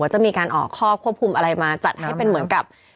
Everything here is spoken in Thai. จะมีการออกข้อควบคุมอะไรมาจัดให้เป็นเหมือนกับ